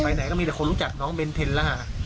ไหนก็มีแต่คนรู้จักน้องเบนเทนล่า